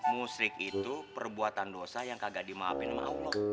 musik itu perbuatan dosa yang kagak dimaafin sama allah